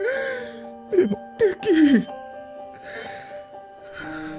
でもできひん。